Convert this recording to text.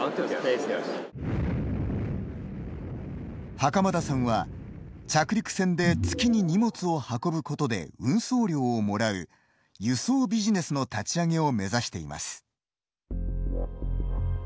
袴田さんは着陸船で月に荷物を運ぶことで運送料をもらう「輸送ビジネス」の立ち上げを目指しています。